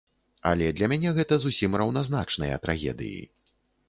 Але для мяне гэта зусім раўназначныя трагедыі.